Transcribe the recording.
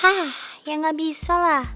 hah ya nggak bisa lah